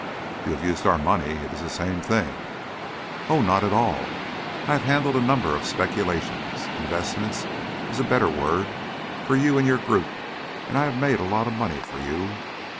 "You have used our money. It is the same thing." "Oh, not at all I have handled a number of speculations investments is a better word for you and your group and I've made a lot of money for you.